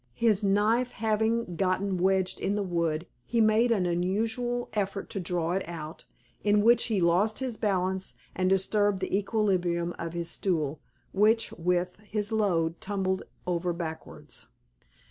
His knife having got wedged in the wood, he made an unusual effort to draw it out, in which he lost his balance, and disturbed the equilibrium of his stool, which, with his load, tumbled over backwards.